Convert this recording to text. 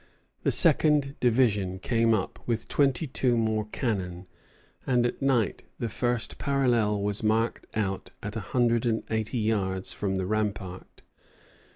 The second division came up with twenty two more cannon; and at night the first parallel was marked out at a hundred and eighty yards from the rampart.